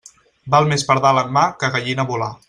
Val més pardal en mà que gallina volar.